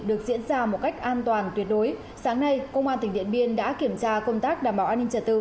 được diễn ra một cách an toàn tuyệt đối sáng nay công an tỉnh điện biên đã kiểm tra công tác đảm bảo an ninh trật tự